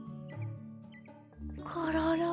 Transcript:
コロロ。